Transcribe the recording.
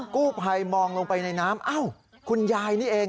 กู้ภัยมองลงไปในน้ำอ้าวคุณยายนี่เอง